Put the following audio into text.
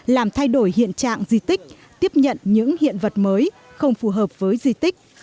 làm thay đổi hiện trạng di tích tiếp nhận những hiện vật mới không phù hợp với di tích